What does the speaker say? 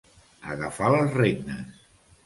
Agafar les regnes.